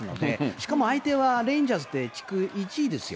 しかも相手はレンジャーズで地区１位ですよ。